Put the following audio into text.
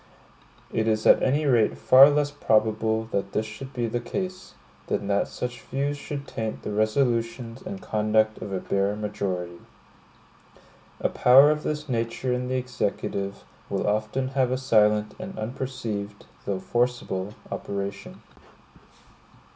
It is at any rate far less probable that this should be the case, than that such views should taint the resolutions and conduct of a bare majority. A power of this nature in the Executive, will often have a silent and unperceived, though forcible, operation.